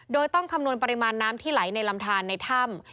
โดยต้องคำนวณปริมาณน้ำที่ไหลในลำทานในถ้ำ